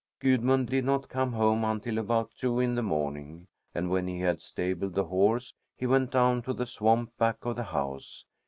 Gudmund did not come home until about two in the morning, and when he had stabled the horse he went down to the swamp back of the house.